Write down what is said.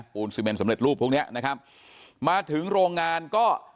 ซีเมนสำเร็จรูปพวกเนี้ยนะครับมาถึงโรงงานก็